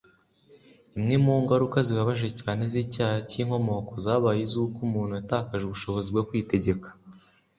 imwe mu ngaruka zibabaje cyane z'icyaha cy'inkomoko zabaye iz'uko umuntu yatakaje ubushobozi bwo kwitegeka